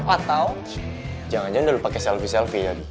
atau jangan jangan udah lo pakai selfie selfie tadi